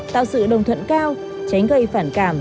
tạo sự đồng thuận cao tránh gây phản cảm